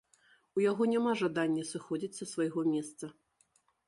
У яго няма жадання сыходзіць са свайго месца.